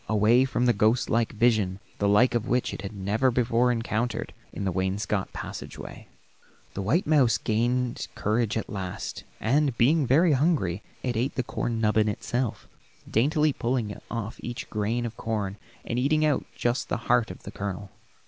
Away from the ghost like vision, the like of which it had never before encountered, in the wainscot passageway. The white mouse gained courage at last, and being very hungry it ate the corn nubbin itself, daintily pulling off each grain of corn, and eating out just the heart of the kernel.